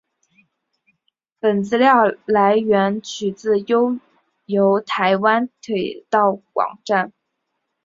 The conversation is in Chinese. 本资料来源取自悠游台湾铁道网站。